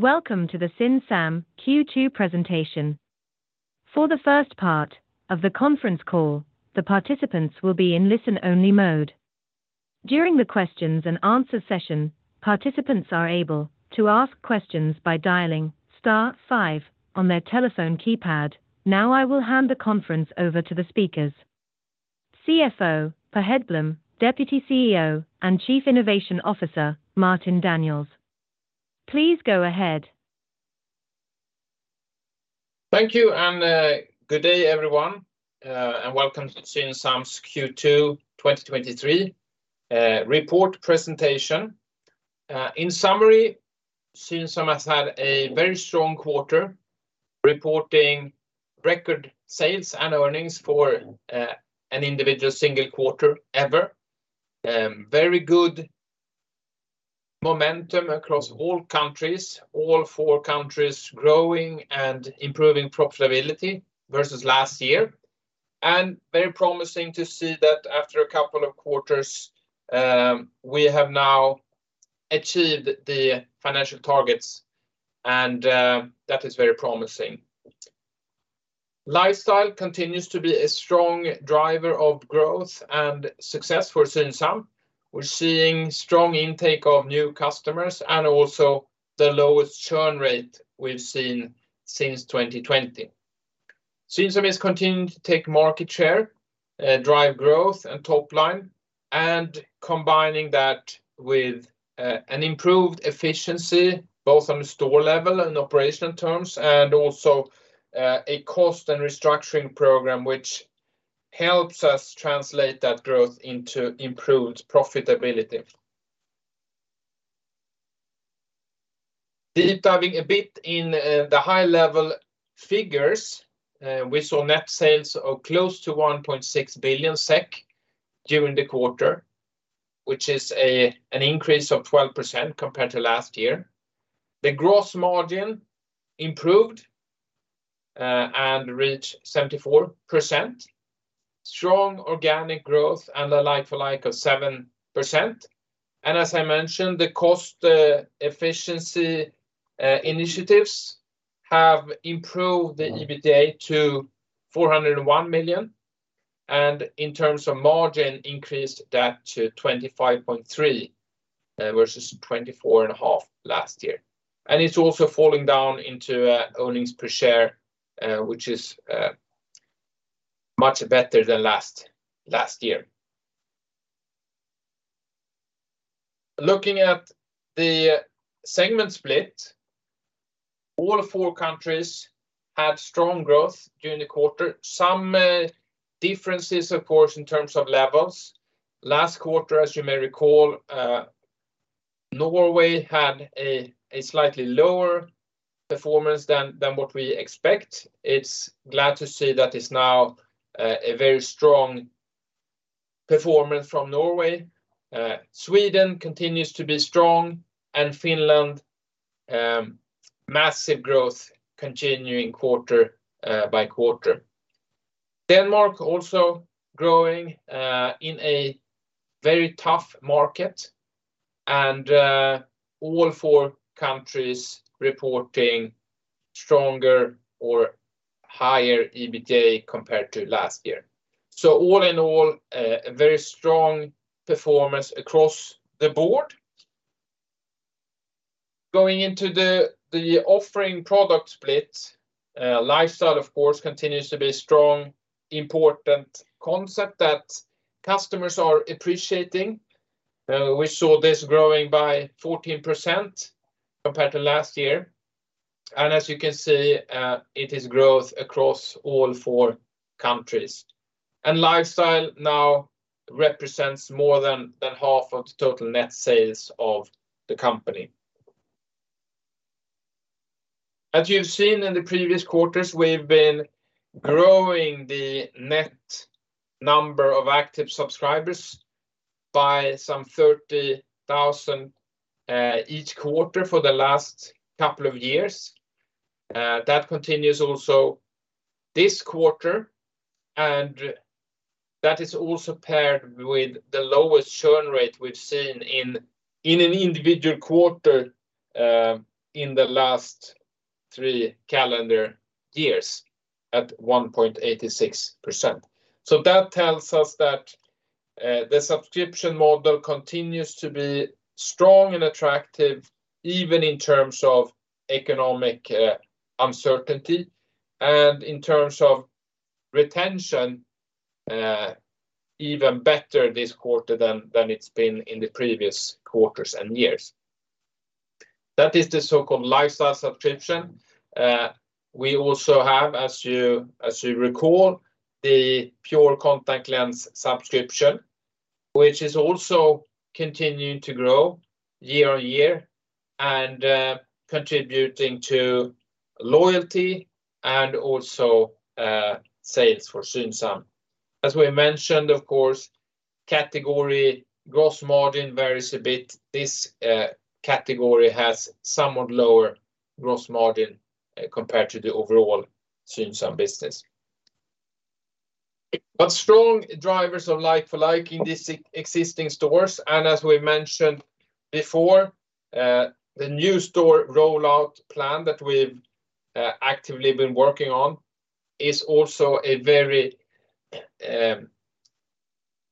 Welcome to the Synsam Q2 presentation. For the first part of the conference call, the participants will be in listen-only mode. During the questions and answer session, participants are able to ask questions by dialing star 5 on their telephone keypad. Now, I will hand the conference over to the speakers. CFO, Per Hedblom, Deputy CEO, and Chief Innovation Officer, Martin Daniels. Please go ahead. Thank you. Good day, everyone, and welcome to Synsam's Q2 2023 report presentation. In summary, Synsam has had a very strong quarter, reporting record sales and earnings for an individual single quarter ever. Very good momentum across all countries, all four countries growing and improving profitability versus last year, and very promising to see that after a couple of quarters, we have now achieved the financial targets, and that is very promising. Lifestyle continues to be a strong driver of growth and success for Synsam. We're seeing strong intake of new customers and also the lowest churn rate we've seen since 2020. Synsam is continuing to take market share, drive growth and top line, and combining that with an improved efficiency, both on the store level and operational terms, and also a cost and restructuring program, which helps us translate that growth into improved profitability. Deep diving a bit in the high-level figures, we saw net sales of close to 1.6 billion SEK during the quarter, which is an increase of 12% compared to last year. The gross margin improved and reached 74%. Strong organic growth and a like-for-like of 7%. As I mentioned, the cost efficiency initiatives have improved the EBITDA to 401 million, and in terms of margin, increased that to 25.3% versus 24.5% last year. It's also falling down into earnings per share, which is much better than last, last year. Looking at the segment split, all four countries had strong growth during the quarter. Some differences, of course, in terms of levels. Last quarter, as you may recall, Norway had a slightly lower performance than what we expect. It's glad to see that it's now a very strong performance from Norway. Sweden continues to be strong, and Finland, massive growth continuing quarter by quarter. Denmark also growing in a very tough market, and all four countries reporting stronger or higher EBITDA compared to last year. All in all, a very strong performance across the board. Going into the offering product split, Lifestyle, of course, continues to be a strong, important concept that customers are appreciating. We saw this growing by 14% compared to last year. As you can see, it is growth across all four countries. Lifestyle now represents more than half of the total net sales of the company. As you've seen in the previous quarters, we've been growing the net number of active subscribers by some 30,000 each quarter for the last couple of years. That continues also this quarter, and that is also paired with the lowest churn rate we've seen in an individual quarter in the last 3 calendar years, at 1.86%. That tells us that the subscription model continues to be strong and attractive, even in terms of economic uncertainty, and in terms of retention, even better this quarter than it's been in the previous quarters and years. That is the so-called Lifestyle subscription. We also have, as you, as you recall, the pure Contact Lens subscription, which is also continuing to grow year on year and contributing to loyalty and also sales for Synsam. As we mentioned, of course, category gross margin varies a bit. This category has somewhat lower gross margin compared to the overall Synsam business. Strong drivers of like-for-like in these existing stores, and as we mentioned before, the new store rollout plan that we've actively been working on is also a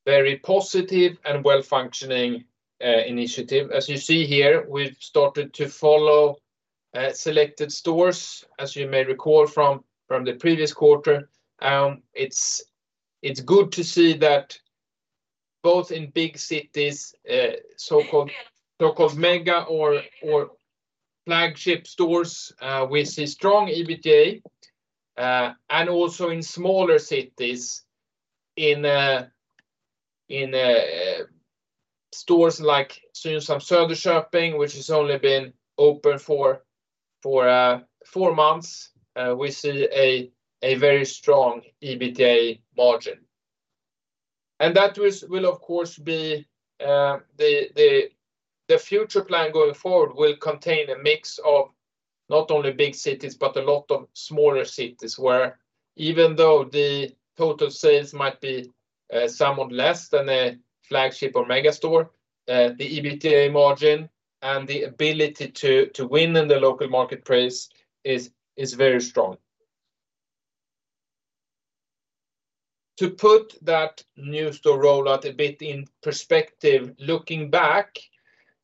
very positive and well-functioning initiative. As you see here, we've started to follow selected stores, as you may recall from, from the previous quarter. It's, it's good to see that both in big cities, so-called, so-called mega or, or flagship stores, we see strong EBTA, and also in smaller cities, in a, in a stores like Synsam Söderköping, which has only been open for, for four months, we see a, a very strong EBTA margin. That will, will of course be the, the, the future plan going forward will contain a mix of not only big cities, but a lot of smaller cities, where even though the total sales might be somewhat less than a flagship or mega store, the EBTA margin and the ability to, to win in the local marketplace is, is very strong. To put that new store rollout a bit in perspective, looking back,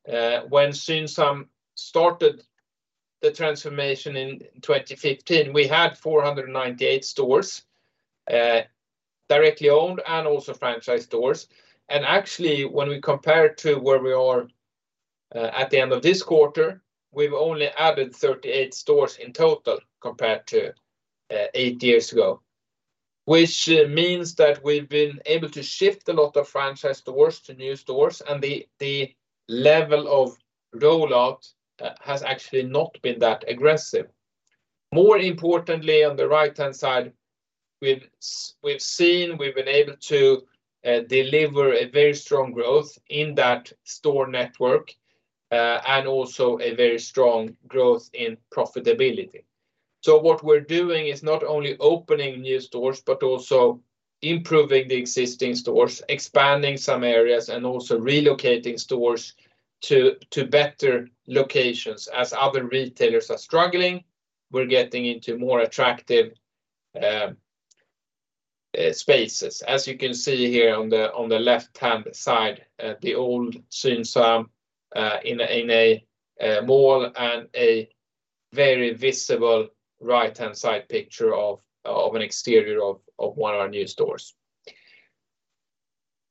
when Synsam started the transformation in 2015, we had 498 stores, directly owned and also franchise stores. Actually, when we compare it to where we are, at the end of this quarter, we've only added 38 stores in total compared to 8 years ago, which means that we've been able to shift a lot of franchise stores to new stores, and the, the level of rollout has actually not been that aggressive. More importantly, on the right-hand side, we've seen, we've been able to deliver a very strong growth in that store network, and also a very strong growth in profitability. What we're doing is not only opening new stores, but also improving the existing stores, expanding some areas, and also relocating stores to, to better locations. As other retailers are struggling, we're getting into more attractive spaces. As you can see here on the, on the left-hand side, the old Synsam, in a, in a, mall and a very visible right-hand side picture of, of an exterior of, of one of our new stores.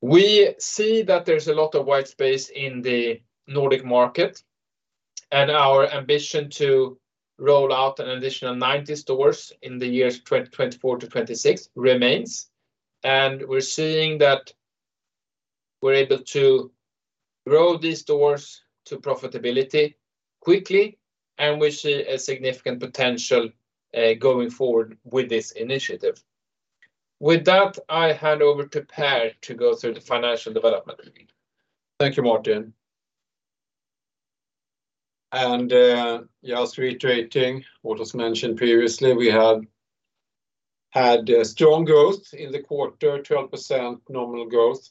We see that there's a lot of white space in the Nordic market, and our ambition to roll out an additional 90 stores in the years 2024 to 2026 remains, and we're seeing that we're able to grow these stores to profitability quickly, and we see a significant potential going forward with this initiative. With that, I hand over to Per to go through the financial development. Thank you, Martin. Just reiterating what was mentioned previously, we had had a strong growth in the quarter, 12% normal growth.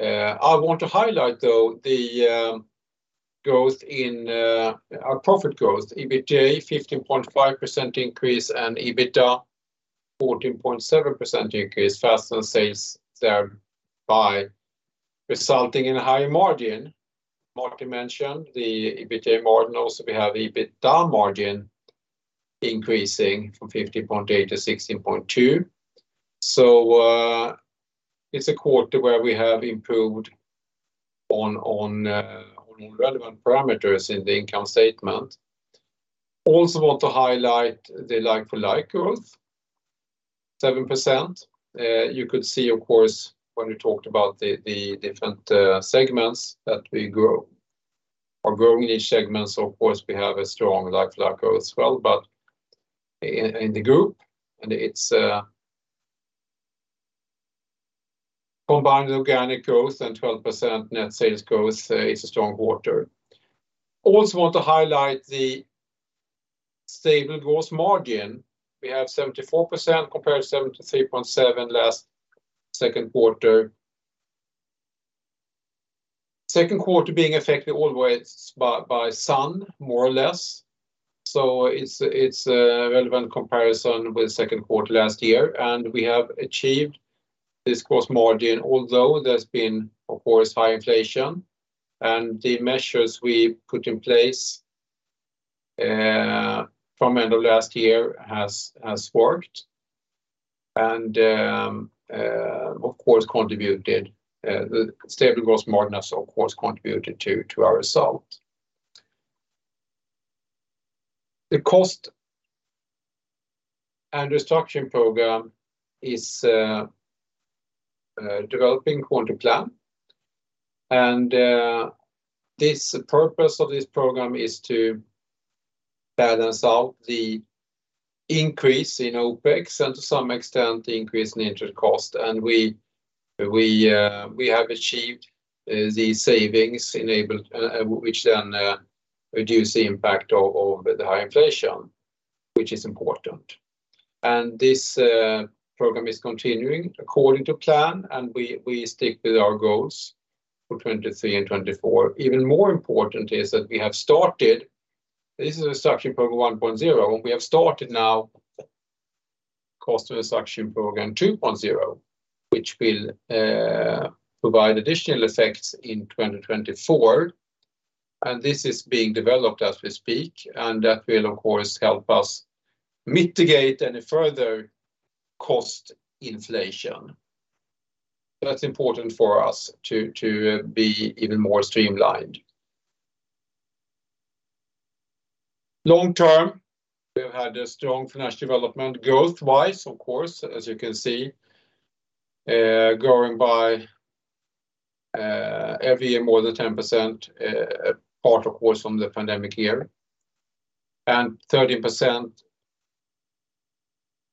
I want to highlight, though, the growth in our profit growth, EBTA, 15.5% increase, and EBITDA, 14.7% increase faster than sales there by resulting in a higher margin. Martin mentioned the EBTA margin. we have EBITDA margin increasing from 15.8 to 16.2%. So, it's a quarter where we have improved on, on relevant parameters in the income statement. want to highlight the like-for-like growth, 7%. You could see, of course, when we talked about the, the different segments that we grow or grow in each segments, of course, we have a strong like-for-like growth as well, but in the group, and it's a combined organic growth and 12% net sales growth, it's a strong quarter. Also want to highlight the stable gross margin. We have 74%, compared to 73.7% last Q2. Q2 being affected always by sun, more or less. It's a relevant comparison with Q2 last year, and we have achieved this gross margin, although there's been, of course, high inflation, and the measures we put in place from end of last year has worked and, of course, contributed, the stable gross margin has, of course, contributed to our result. The cost and restructuring program is developing according to plan, and this purpose of this program is to balance out the increase in OpEx, and to some extent, the increase in interest cost. We have achieved the savings enabled, which then reduce the impact of the high inflation, which is important. This program is continuing according to plan, and we stick with our goals for 2023 and 2024. Even more important is that we have started, this is a reduction program one point zero, and we have started now cost reduction program two point zero, which will provide additional effects in 2024. This is being developed as we speak, and that will, of course, help us mitigate any further cost inflation. That's important for us to be even more streamlined. Long term, we've had a strong financial development, growth-wise, of course, as you can see, growing by every year more than 10%, part, of course, from the pandemic year, and 13%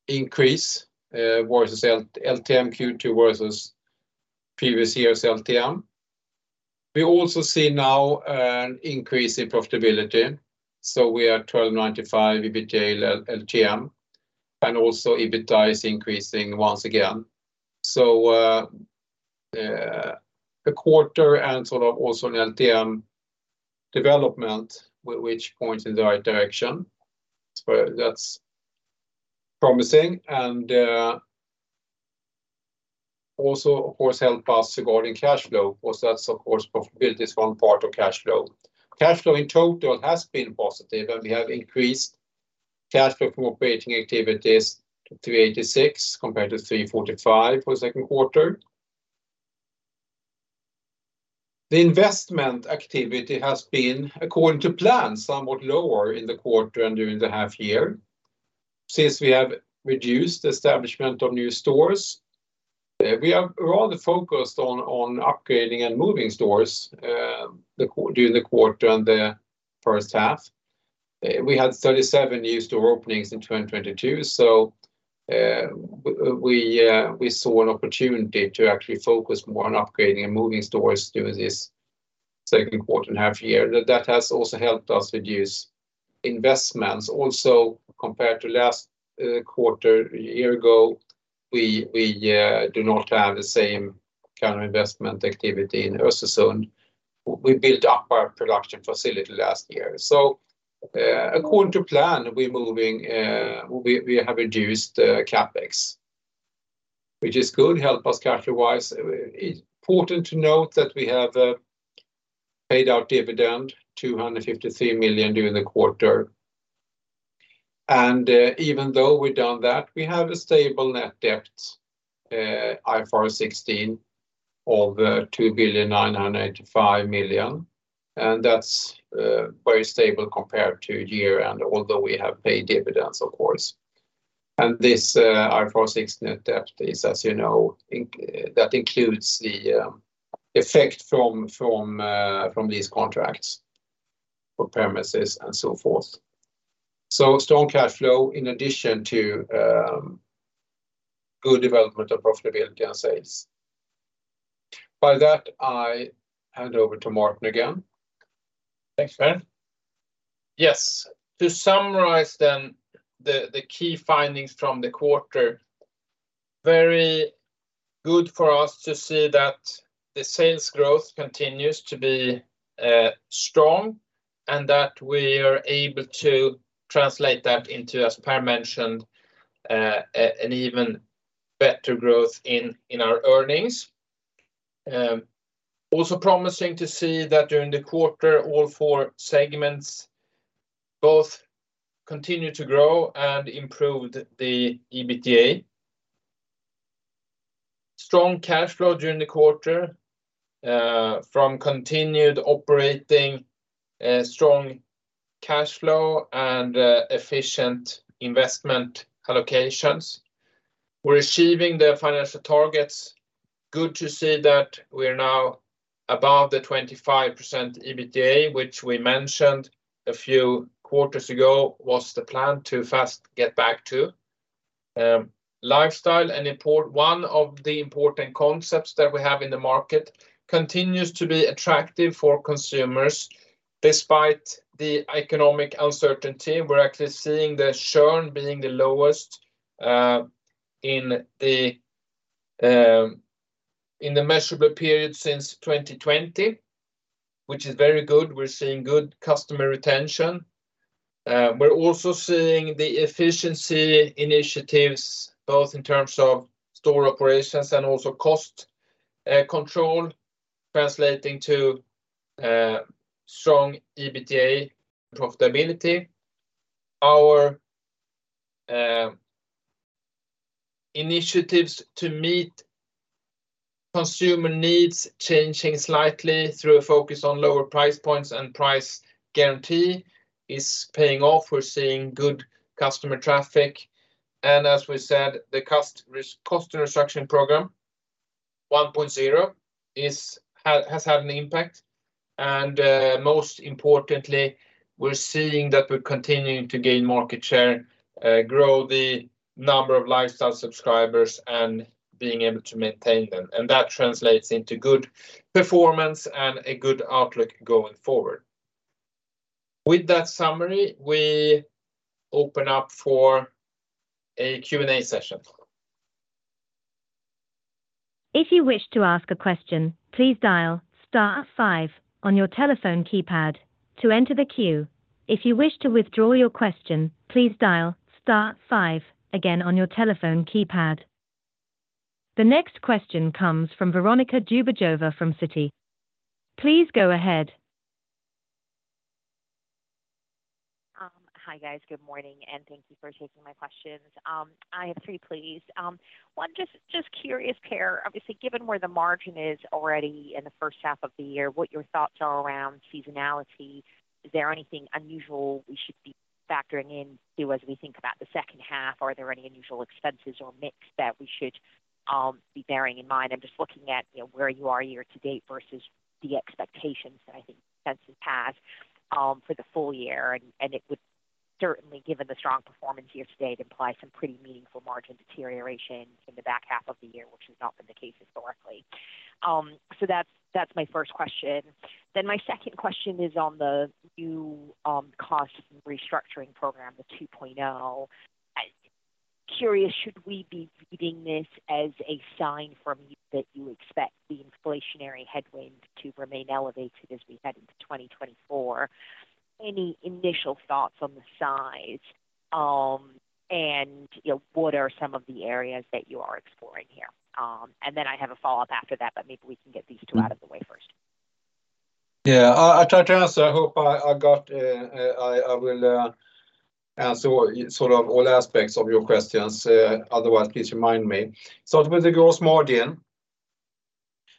increase versus LTM Q2 versus previous years LTM. We also see now an increase in profitability, so we are 12.95 EBITDA LTM, and also EBITDA is increasing once again. a quarter and sort of also an LTM development which points in the right direction. That's promising and also, of course, help us regarding cash flow, because that supports profitability is one part of cash flow. Cash flow in total has been positive, and we have increased cash flow from operating activities to 386 compared to 345 for the Q2. The investment activity has been, according to plan, somewhat lower in the quarter and during the half year, since we have reduced establishment of new stores. We are rather focused on, on upgrading and moving stores during the quarter and the H1. We had 37 new store openings in 2022; we saw an opportunity to actually focus more on upgrading and moving stores during this Q2 and half year. That has also helped us reduce investments. Also, compared to last quarter a year ago, we do not have the same kind of investment activity in Östersund. We built up our production facility last year. According to plan, we're moving, we have reduced CapEx, which is good, help us cash flow-wise. It's important to note that we have paid our dividend 253 million during the quarter. Even though we've done that, we have a stable net debt, IFRS 16, of 2.985 billion, and that's very stable compared to year, and although we have paid dividends, of course. This, IFRS 16 net debt is, as you know, inc- that includes the effect from, from, from these contracts for premises and so forth. Strong cash flow in addition to good development of profitability and sales. By that, I hand over to Martin again. Thanks, Per. Yes, to summarize then, the, the key findings from the quarter, very good for us to see that the sales growth continues to be strong and that we are able to translate that into, as Per mentioned, an even better growth in, in our earnings. Also promising to see that during the quarter, all four segments both continued to grow and improved the EBITDA. Strong cash flow during the quarter, from continued operating strong cash flow and efficient investment allocations. We're achieving the financial targets. Good to see that we are now above the 25% EBITDA, which we mentioned a few quarters ago, was the plan to first get back to. Lifestyle and import, one of the important concepts that we have in the market continues to be attractive for consumers. Despite the economic uncertainty, we're actually seeing the churn being the lowest in the measurable period since 2020, which is very good. We're seeing good customer retention. We're also seeing the efficiency initiatives, both in terms of store operations and also cost control, translating to strong EBITDA profitability. Our initiatives to meet consumer needs, changing slightly through a focus on lower price points and price guarantee is paying off. We're seeing good customer traffic, and as we said, the cost reduction program one point zero is, has, has had an impact.... and, most importantly, we're seeing that we're continuing to gain market share, grow the number of Lifestyle subscribers, and being able to maintain them. That translates into good performance and a good outlook going forward. With that summary, we open up for a Q&A session. If you wish to ask a question, please dial star five on your telephone keypad to enter the queue. If you wish to withdraw your question, please dial star five again on your telephone keypad. The next question comes from Veronika Dubajova from Citi. Please go ahead. Hi, guys. Good morning, and thank you for taking my questions. I have three, please. One, just, just curious, Per, obviously, given where the margin is already in the H1 of the year, what your thoughts are around seasonality? Is there anything unusual we should be factoring in to as we think about the H2? Are there any unusual expenses or mix that we should be bearing in mind? I'm just looking at, you know, where you are year to date versus the expectations that I think consensus has for the full year, and it would certainly, given the strong performance year to date, imply some pretty meaningful margin deterioration in the back half of the year, which has not been the case historically. That's, that's my first question. My second question is on the new, cost restructuring program, the 2.0. Curious, should we be reading this as a sign from you that you expect the inflationary headwinds to remain elevated as we head into 2024? Any initial thoughts on the size, and, you know, what are some of the areas that you are exploring here? Then I have a follow-up after that, but maybe we can get these two out of the way first. Yeah. I'll try to answer. I hope I, I got, I, I will answer sort of all aspects of your questions, otherwise, please remind me. With the gross margin,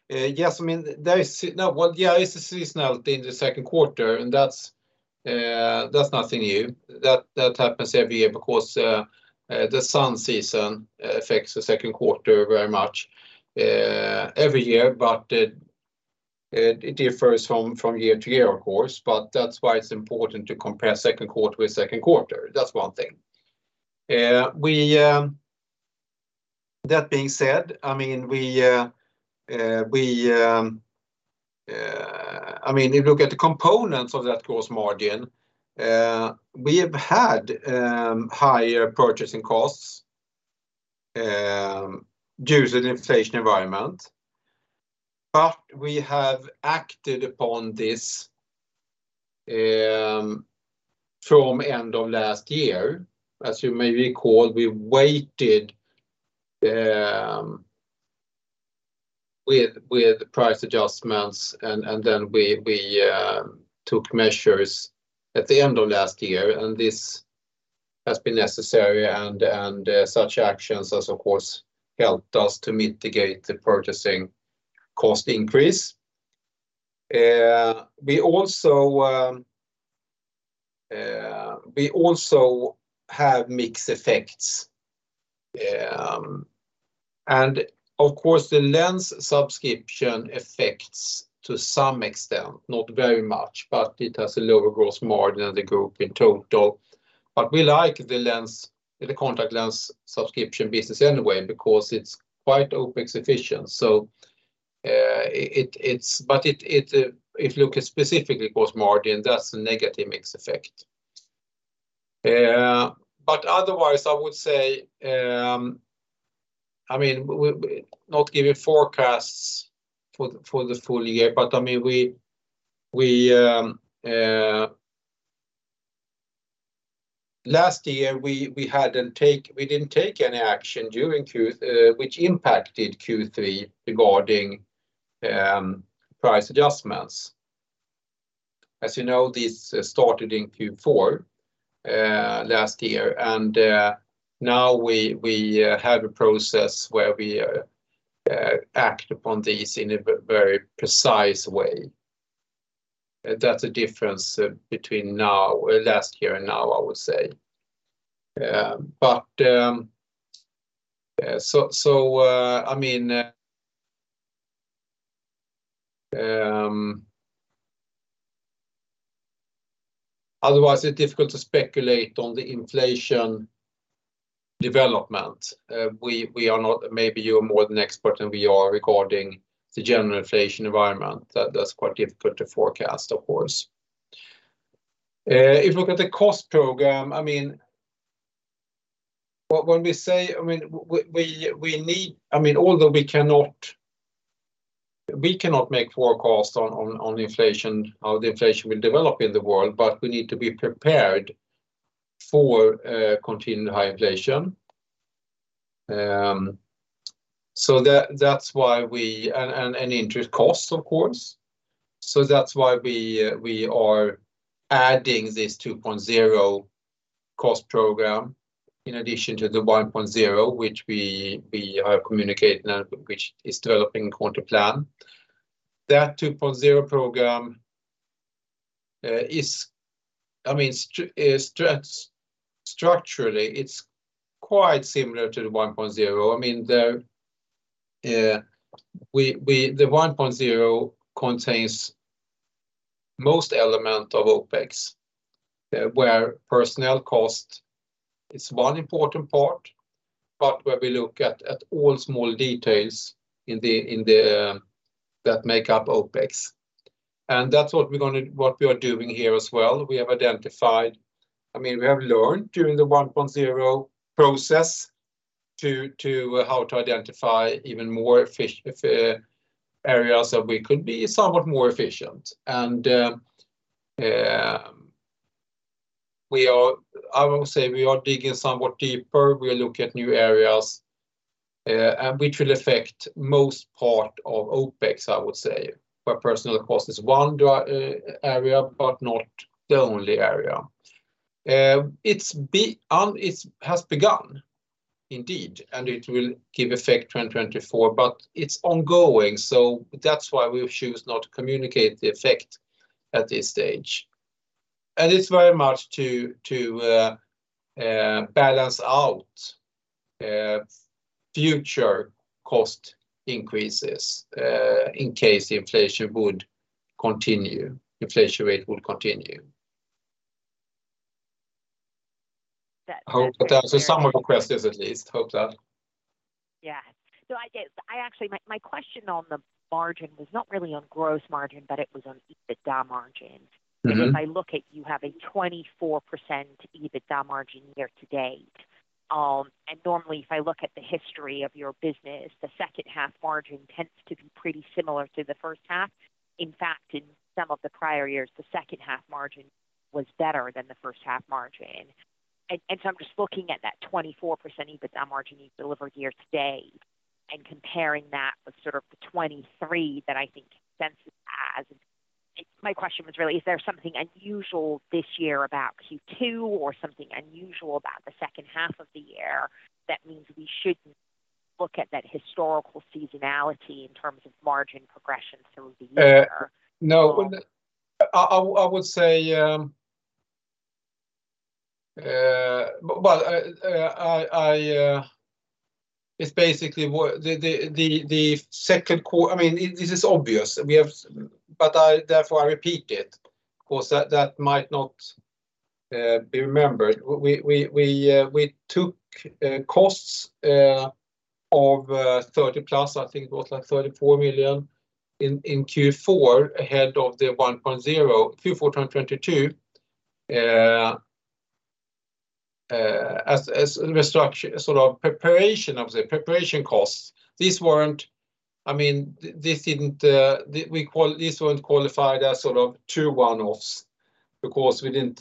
yes, I mean, there is, now, well, yeah, it's a seasonality in the Q2, and that's nothing new. That happens every year because the sun season affects the Q2 very much every year, but it differs from year to year, of course, but that's why it's important to compare Q2 with Q2. That's one thing. We... That being said, I mean, we, I mean, if you look at the components of that gross margin, we have had higher purchasing costs due to the inflation environment, but we have acted upon this from end of last year. As you may recall, we waited with, with price adjustments, and then we took measures at the end of last year, and this has been necessary, and such actions as, of course, helped us to mitigate the purchasing cost increase. We also, we also have mixed effects. Of course, the contact lens subscription effects to some extent, not very much, but it has a lower gross margin than the group in total. We like the lens, the contact lens subscription business anyway because it's quite OpEx efficient. If you look specifically gross margin, that's a negative mix effect. But otherwise, I would say, I mean, we, we not giving forecasts for, for the full year, but, I mean, we, we. Last year, we, we didn't take any action during Q, which impacted Q3 regarding price adjustments. As you know, this started in Q4 last year, now we, we have a process where we act upon this in a very precise way. That's a difference between last year and now, I would say. But I mean. Otherwise, it's difficult to speculate on the inflation development. We, we maybe you are more than expert than we are regarding the general inflation environment. That's quite difficult to forecast, of course. If you look at the cost program, I mean, when we say, I mean, we need, I mean, although we cannot make forecasts on inflation, how the inflation will develop in the world, but we need to be prepared for continued high inflation. And interest costs, of course. That's why we are adding this two-point zero cost program in addition to the one point zero, which we are communicating now, which is developing according to plan. That two point zero program, it's, I mean, structurally, it's quite similar to the one point zero. I mean, the one point zero contains most element of OpEx, where personnel cost is one important part, but where we look at all small details that make up OpEx. That's what we are doing here as well. I mean, we have learned during the one point zero process to how to identify even more areas that we could be somewhat more efficient. I would say we are digging somewhat deeper. We are looking at new areas, and which will affect most part of OpEx, I would say, where personnel cost is one area, but not the only area. It has begun indeed, and it will give effect 2024, but it's ongoing, so that's why we choose not to communicate the effect at this stage. It's very much to, to, balance out, future cost increases, in case inflation would continue, inflation rate would continue. That I hope that answers some of your questions, at least. Hope that. Yeah. I actually, my, my question on the margin was not really on gross margin, but it was on EBITDA margin. If I look at you have a 24% EBITDA margin year to date. Normally, if I look at the history of your business, the H2 margin tends to be pretty similar to the H1. In fact, in some of the prior years, the H2 margin was better than the H1 margin. I'm just looking at that 24% EBITDA margin you've delivered year to date and comparing that with sort of the 23 that I think consensus has. My question was really, is there something unusual this year about Q2 or something unusual about the H2 of the year that means we shouldn't look at that historical seasonality in terms of margin progression through the year? No. I, I, I would say. Well, I, I, I, it's basically what the, the, the, the Q2 I mean, this is obvious. We have, but I therefore I repeat it, because that, that might not be remembered. We, we, we, we took costs of 30 plus, I think it was like 34 million in Q4, ahead of the one point zero, Q4 2022. As, as restructure, sort of preparation, I would say, preparation costs. These weren't-- I mean, this didn't, we call-- this won't qualify as sort of true one-offs because we didn't,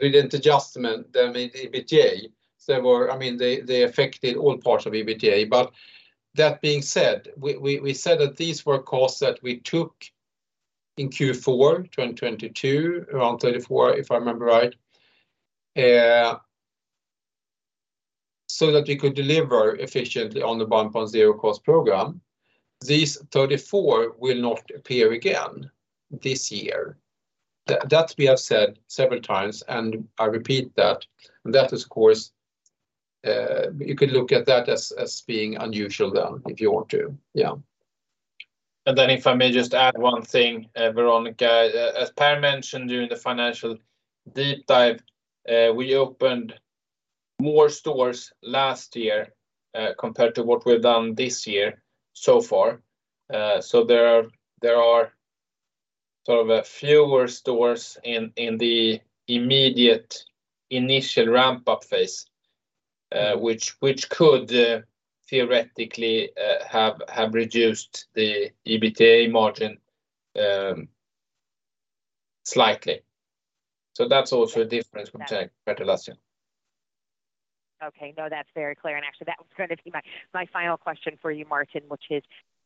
we didn't adjustment them in the EBITDA. They were-- I mean, they, they affected all parts of EBITDA. That being said, we said that these were costs that we took in Q4 2022, around 34, if I remember right, so that we could deliver efficiently on the one point zero cost program. These 34 will not appear again this year. That we have said several times, and I repeat that. That, of course, you could look at that as, as being unusual then, if you want to. Yeah. If I may just add one thing, Veronika. As Per mentioned during the financial deep dive, we opened more stores last year compared to what we've done this year so far. There are, there are sort of, fewer stores in, in the immediate initial ramp-up phase, which, which could, theoretically, have, have reduced the EBITDA margin slightly. That's also a difference from check compared to last year. Okay. No, that's very clear. Actually, that was going to be my, my final question for you, Martin, which is,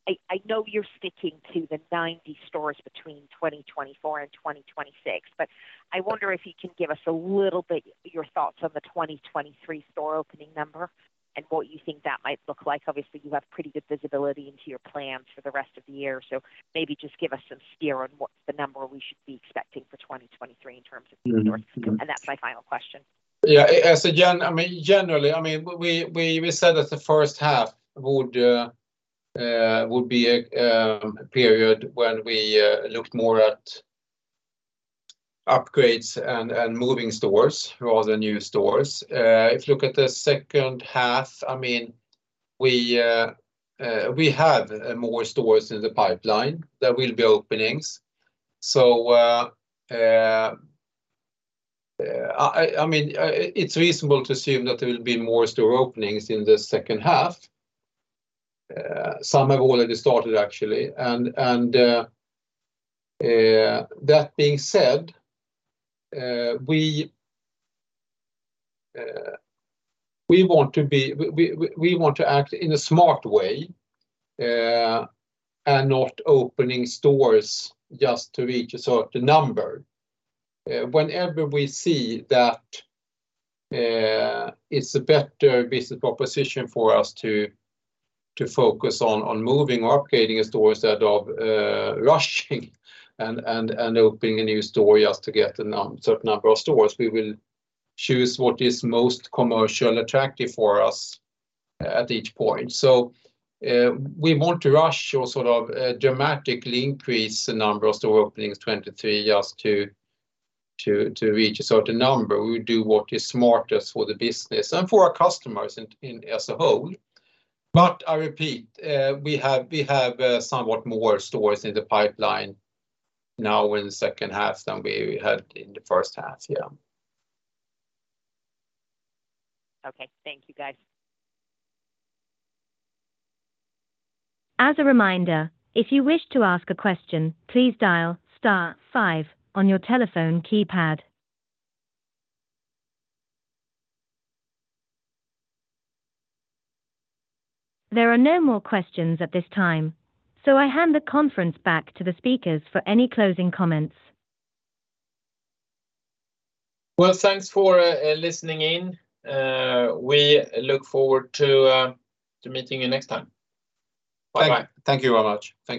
I, I know you're sticking to the 90 stores between 2024 and 2026, but I wonder if you can give us a little bit your thoughts on the 2023 store opening number and what you think that might look like. Obviously, you have pretty good visibility into your plans for the rest of the year, so maybe just give us some steer on what the number we should be expecting for 2023 in terms of new stores. That's my final question. Yeah, as a gen-- I mean, generally, I mean, we said that the H1 would be a period when we looked more at upgrades and moving stores rather than new stores. If you look at the H2, I mean, we have more stores in the pipeline that will be openings. I mean, it's reasonable to assume that there will be more store openings in the H2. Some have already started, actually. That being said, we want to be-- we want to act in a smart way and not opening stores just to reach a certain number. Whenever we see that it's a better business proposition for us to, to focus on, on moving or upgrading a store instead of rushing and, and, and opening a new store just to get a certain number of stores, we will choose what is most commercial attractive for us at each point. We want to rush or sort of dramatically increase the number of store openings 23, just to, to, to reach a certain number. We will do what is smartest for the business and for our customers in as a whole. I repeat, we have somewhat more stores in the pipeline now in the H2 than we had in the H1. Yeah. Okay. Thank you, guys. As a reminder, if you wish to ask a question, please dial star 5 on your telephone keypad. There are no more questions at this time, so I hand the conference back to the speakers for any closing comments. Well, thanks for listening in. We look forward to meeting you next time. Bye-bye. Thank you very much. Thank you.